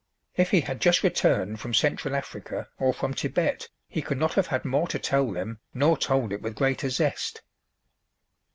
If he had just returned from Central Africa or from Thibet he could not have had more to tell them nor told it with greater zest.